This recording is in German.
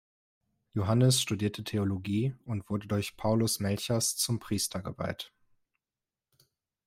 Johannes studierte Theologie und wurde durch Paulus Melchers zum Priester geweiht.